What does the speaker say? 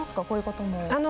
こういうことも。